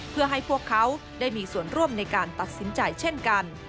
เพื่อให้พวกเขาได้มีส่วนร่วมในการตัดสินใจเช่นกัน